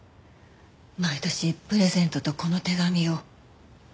毎年プレゼントとこの手紙を。